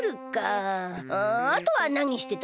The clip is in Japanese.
ああとはなにしてた？